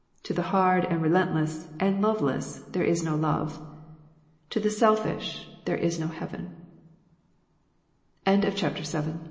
To the hard, and relentless, and loveless, there is no love. To the selfish, there is no heaven. 187 Digitized by